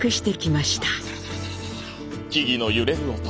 木々の揺れる音。